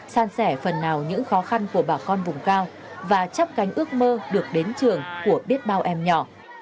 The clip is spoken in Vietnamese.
san sẻ phần nào những khó khăn của bà con vùng cao và chấp cánh ước mơ được đến trường của biết bao em nhỏ